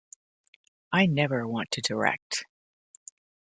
I never want to direct.